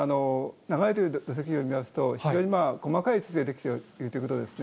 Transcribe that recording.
流れてきた土石流を見ますと、非常に細かい粒で出来ているということですね。